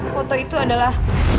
foto itu adalah